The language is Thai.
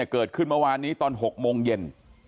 เกิดขึ้นเมื่อวานนี้ตอน๖โมงเย็น